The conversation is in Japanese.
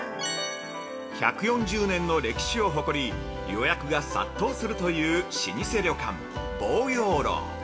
１４０年の歴史を誇り予約が殺到するという老舗旅館望洋楼。